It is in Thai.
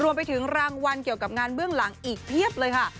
รวมไปถึงรางวัลเกี่ยวกับงานเบื้องหลังอีกเพียบเลยค่ะ